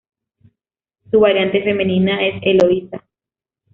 Su variante femenina es Eloísa.